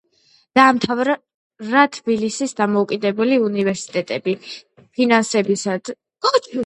დაამთავრა თბილისის დამოუკიდებელი უნივერსიტეტი ფინანსებისა და კრედიტების სპეციალობით.